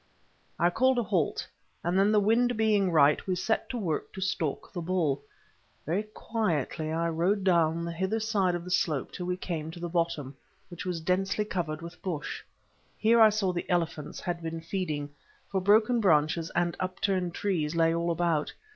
I called a halt, and then the wind being right, we set to work to stalk the bull. Very quietly I rode down the hither side of the slope till we came to the bottom, which was densely covered with bush. Here I saw the elephants had been feeding, for broken branches and upturned trees lay all about.